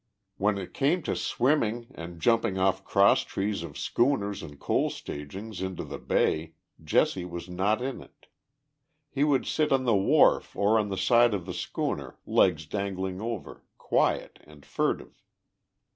When it came to swimming and jumping off crosstrees of schooners and coal stagings ii:to the bav. Jesse was not in it. He would sit on the wharf or on */ the side of the schooner, legs dangling over, quiet and furtive.